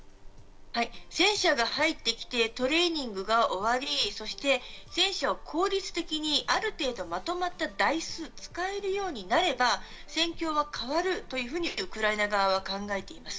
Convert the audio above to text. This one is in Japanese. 戦車が入ってきてトレーニングが終わり、そして戦車を効率的にある程度まとまった台数、使えるようになれば戦況は変わるというふうにウクライナ側は考えています。